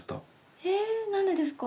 え何でですか？